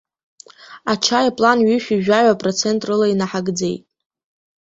Ачаи аплан ҩышәи жәаҩа процент рыла инаҳагӡеит!